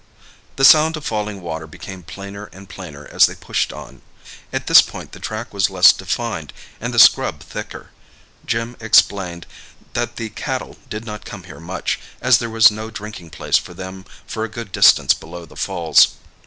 The sound of falling water became plainer and plainer as they pushed on. At this point the track was less defined and the scrub thicker—Jim explained that the cattle did not come here much, as there was no drinking place for them for a good distance below the falls.